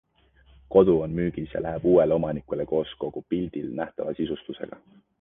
Kodu on müügis ja läheb uuele omanikule koos kogu pildil nähtava sisustusega.